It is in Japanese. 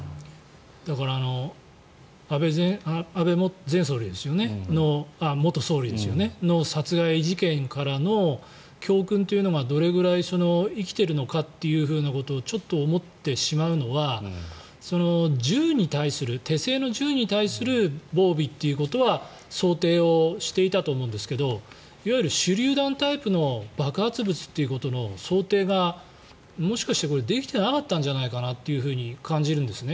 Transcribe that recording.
だから、安倍元総理の殺害事件からの教訓というのがどれくらい生きているのかということをちょっと思ってしまうのは手製の銃に対する防備ということは想定をしていたと思うんですがいわゆる手りゅう弾タイプの爆発物ということの想定が、もしかしてできてなかったんじゃないかと感じるんですね。